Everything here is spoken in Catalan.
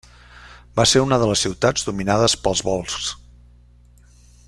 Va ser una de les ciutats dominades pels volscs.